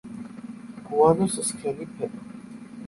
გუანოს სქელი ფენა.